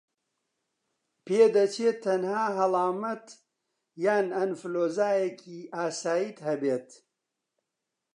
پێدەچێت تەنها هەڵامەت یان ئەنفلەوەنزایەکی ئاساییت هەبێت